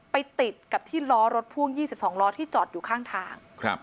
ติดกับที่ล้อรถพ่วง๒๒ล้อที่จอดอยู่ข้างทาง